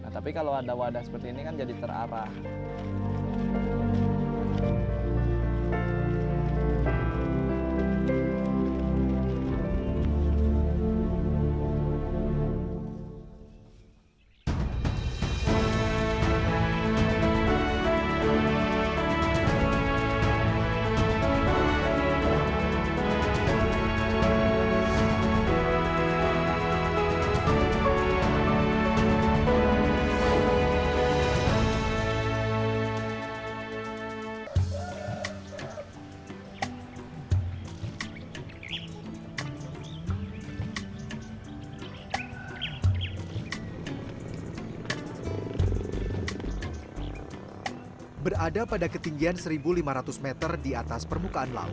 tapi kalau ada wadah seperti ini kan jadi terarah